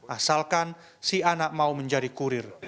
asalkan si anak mau menjadi kurir